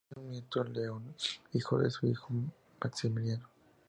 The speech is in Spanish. Tiene un nieto, León, hijo de su hijo Maximiliano.